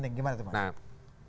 gimana tuh mas